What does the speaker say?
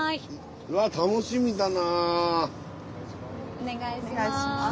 お願いします。